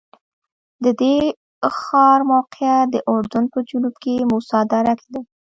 د دې ښار موقعیت د اردن په جنوب کې موسی دره کې دی.